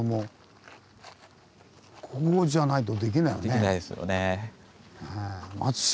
できないですよね。